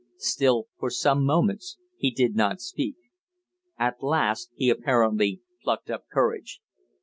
Still for some moments he did not speak. At last he apparently plucked up courage.